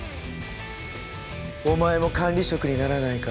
お前も管理職にならないか？